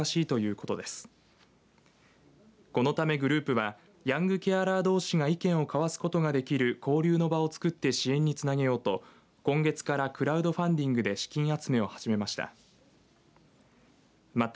このためグループはヤングケアラーどうしが意見を交わすことができる交流の場を作って支援につなげようと今月からクラウドファンディングで資金集めを始めました。